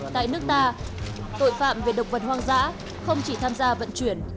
tại nước ta tội phạm về động vật hoang dã không chỉ tham gia vận chuyển